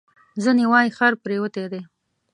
ځینې وایي خر پرېوتی دی.